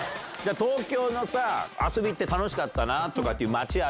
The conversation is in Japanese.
東京のさ、遊びって楽しかったなという街ある？